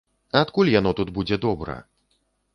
Адкуль яно тут будзе добра?